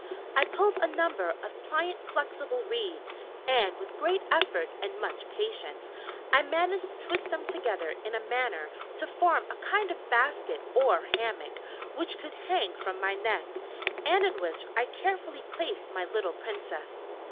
I pulled a number of pliant flexible reeds, and with great effort and much patience, I managed to twist them together in a manner to form a kind of basket or hammock which could hang from my neck, and in which I carefully placed my little Princess.